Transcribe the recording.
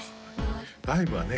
ライブはね